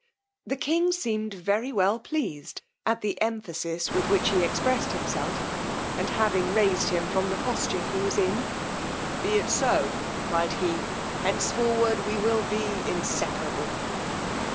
The king seemed very well pleased at the emphasis with which he expressed himself; and having raised him from the posture he was in, be it so, cried he, henceforward we will be inseparable.